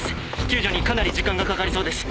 救助にかなり時間がかかりそうです。